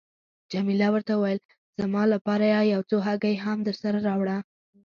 جميله ورته وویل: زما لپاره یو څو هګۍ هم درسره راوړه.